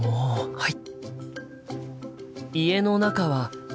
はい！